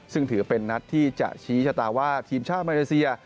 ซึ่งถือเป็นนัดที่จะชี้ชะตาว่าทีมชาติมาเลเซีย